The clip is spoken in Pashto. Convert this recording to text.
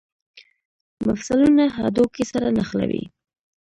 مفصلونه هډوکي سره نښلوي